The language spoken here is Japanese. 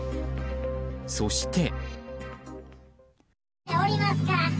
そして。